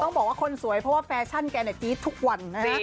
บอกว่าคนสวยเพราะว่าแฟชั่นแกจี๊ดทุกวัน